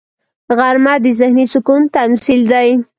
غرمه د ذهني سکون تمثیل دی